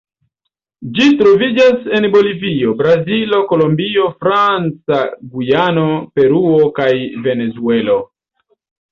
Ĝi troviĝas en Bolivio, Brazilo, Kolombio, Franca Gujano, Peruo kaj Venezuelo.